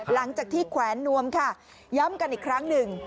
หลังจากที่แขวนนวมค่ะย้ำกันอีกครั้งหนึ่ง